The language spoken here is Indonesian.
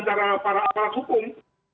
jangka panjangnya okelah tadi bicara mengenai